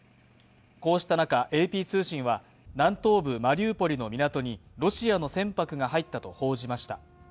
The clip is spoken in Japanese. こうした中ＡＰ通信は、南東部マリウポリの港に、ロシアの船舶が入ったと報じました。